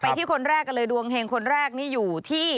ที่คนแรกกันเลยดวงเฮงคนแรกนี่อยู่ที่